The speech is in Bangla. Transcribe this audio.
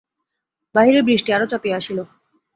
বাহিরে বৃষ্টি আরো চাপিয়া আসিল।